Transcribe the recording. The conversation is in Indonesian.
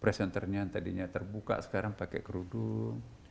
presenternya yang tadinya terbuka sekarang pakai kerudung